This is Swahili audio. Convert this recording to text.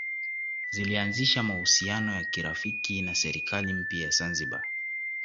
Zilianzisha mahusiano ya kirafiki na serikali mpya ya Zanzibar